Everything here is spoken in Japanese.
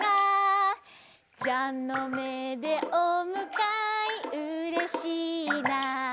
「じゃのめでおむかいうれしいな」